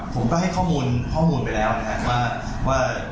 ผมก็ให้ข้อมูลมันไปแล้วว่า